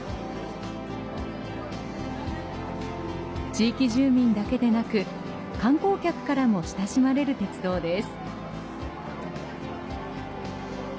地域住民だけでなく観光客からも親しまれる鉄道です。